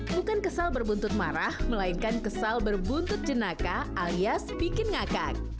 bukan kesal berbuntut marah melainkan kesal berbuntut jenaka alias bikin ngakak